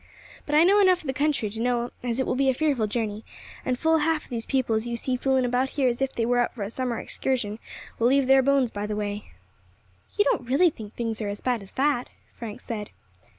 But I know enough of the country to know as it will be a fearful journey, and full half of these people as you see fooling about here as if they were out for a summer excursion will leave their bones by the way." "You don't really think things are as bad as that," Frank said.